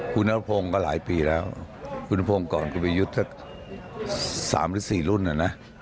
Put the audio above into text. คุณภพงศ์ก็หลายปีแล้วคุณภพงศ์ก่อนคุณไปยุทธสามหรือสี่รุ่นน่ะนะ